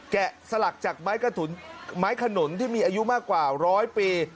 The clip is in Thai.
สลักจากไม้ขนุนที่มีอายุมากกว่าร้อยปี